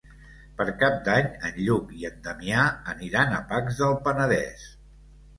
Per Cap d'Any en Lluc i en Damià aniran a Pacs del Penedès.